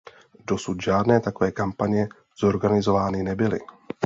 Dosud žádné takové kampaně zorganizovány nebyly.